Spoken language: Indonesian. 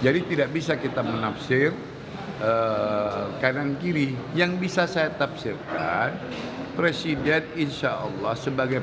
jadi tidak bisa kita menafsir kanan kiri yang bisa saya tafsirkan presiden insyaallah sebagai